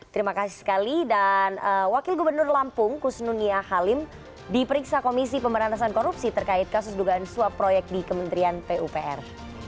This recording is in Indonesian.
terima kasih sekali dan wakil gubernur lampung kusnunia halim diperiksa komisi pemberantasan korupsi terkait kasus dugaan suap proyek di kementerian pupr